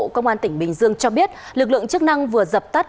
công an tỉnh bình dương cho biết lực lượng chức năng vừa dập tắt